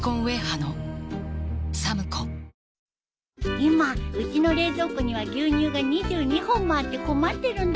今うちの冷蔵庫には牛乳が２２本もあって困ってるんだ。